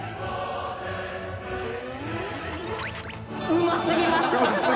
うますぎます。